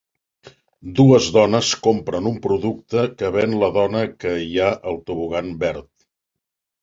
Dues dones compren un producte que ven la dona que hi ha al tobogan verd.